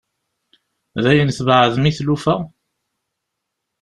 Dayen tbeɛɛdem i tlufa?